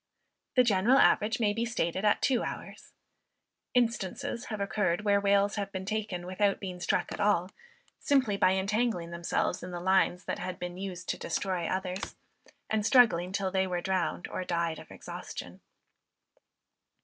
The general average may be stated at two hours. Instances have occurred where whales have been taken without being struck at all, simply by entangling themselves in the lines that had been used to destroy others, and struggling till they were drowned or died of exhaustion.